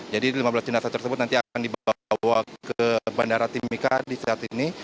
jadi lima belas jenazah tersebut nanti akan dibawa ke bandara timika di saat ini